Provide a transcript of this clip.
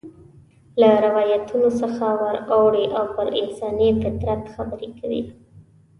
له روایتونو څخه ور اوړي او پر انساني فطرت خبرې کوي.